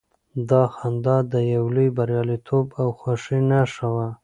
دا خندا د يو لوی برياليتوب او خوښۍ نښه وه.